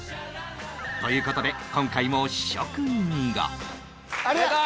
という事で今回も試食人が出た！